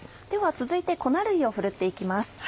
では続いて粉類をふるって行きます。